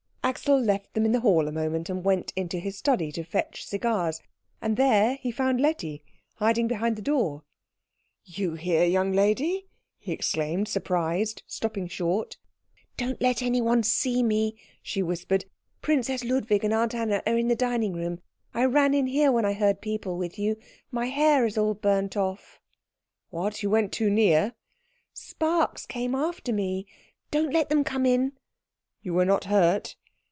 Axel left them in the hall a moment, and went into his study to fetch cigars; and there he found Letty, hiding behind the door. "You here, young lady?" he exclaimed surprised, stopping short. "Don't let anyone see me," she whispered. "Princess Ludwig and Aunt Anna are in the dining room. I ran in here when I heard people with you. My hair is all burnt off." "What, you went too near?" "Sparks came after me. Don't let them come in " "You were not hurt?"